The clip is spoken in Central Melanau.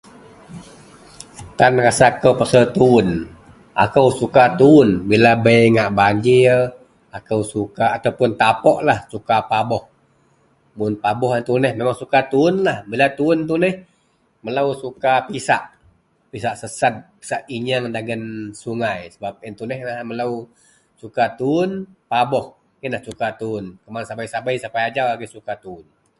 Tan rasa kou pasel tuwon akou suka tuwon bila bei ngak banjir akou suka ataupoun tapok lah, suka paboh mun paboh iyen tuneh memeng suka tuwon, bila tuwon suka lah melo suka pisak, pisak sised atau pinyeng dagen sungai, sebab iyenlah suka towon paboh. Iyenlah suka tuwon. Kuman sabei angai suka tuwon.